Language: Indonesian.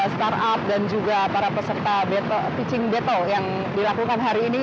startup dan juga para peserta pitching beto yang dilakukan hari ini